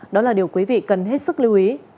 đó là điều quý vị cần hết sức lưu ý